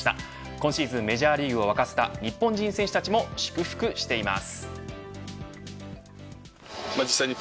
今シーズンメジャーリーグを沸かせた日本人選手たちも祝福しています。